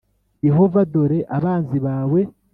Yehova dore abanzi bawe